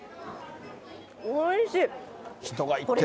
おいしい。